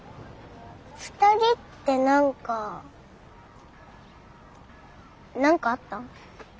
２人って何か何かあった？